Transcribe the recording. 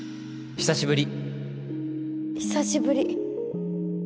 久しぶり